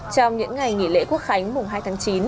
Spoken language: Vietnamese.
trong những ngày nghỉ lễ quốc khánh mùng hai tháng chín